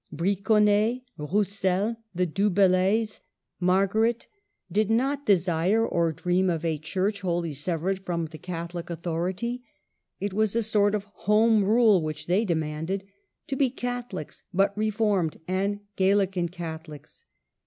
Bri gonnet, Roussel, the Du Bellays, Margaret, did THE SORBONNE. 139 not desire or dream of a Church wholly sev ered from the Catholic authority. It was a sort of Home Rule which they demanded, — to be Catholics, but reformed and Galilean Catholics.